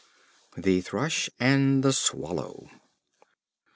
The Thrush and the Swallow.